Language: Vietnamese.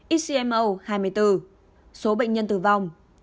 icmo hai mươi bốn số bệnh nhân tử vong